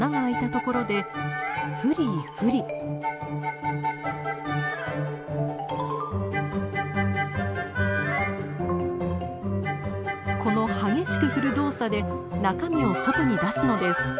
この激しく振る動作で中身を外に出すのです。